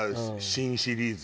新シリーズ。